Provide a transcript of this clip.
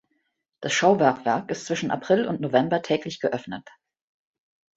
Das Schaubergwerk ist zwischen April und November täglich geöffnet.